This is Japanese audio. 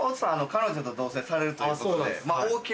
彼女と同棲されるということで。